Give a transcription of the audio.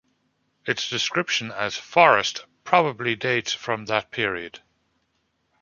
Its description as 'forest' probably dates from that period.